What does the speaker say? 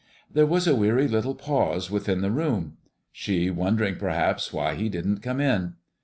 There was a weary little pause within the room; she wondering, perhaps, why he didn't come in.